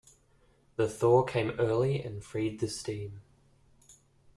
The thaw came early and freed the stream.